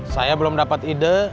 saya belum dapat ide